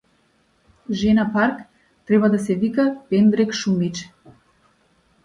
Жена парк треба да се вика пендрек шумиче!